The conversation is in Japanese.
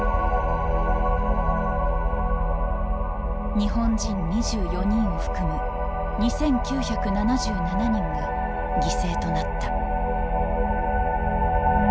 日本人２４人を含む２，９７７人が犠牲となった。